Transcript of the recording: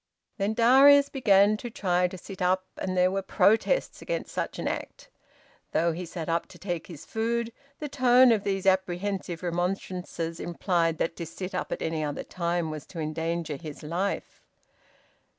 Then Darius began to try to sit up, and there were protests against such an act. Though he sat up to take his food, the tone of these apprehensive remonstrances implied that to sit up at any other time was to endanger his life.